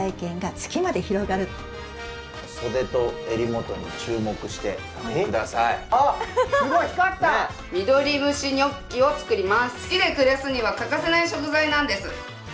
月で暮らすには欠かせない食材なんです。